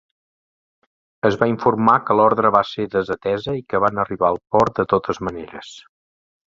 Es va informar que l'ordre va ser desatesa i que van arribar al port de totes maneres.